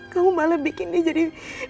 kamu malah bikin dia jadi